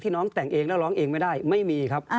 น้องแต่งเองแล้วร้องเองไม่ได้ไม่มีครับ